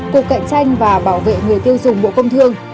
cục cạnh tranh và bảo vệ người tiêu dùng bộ công thương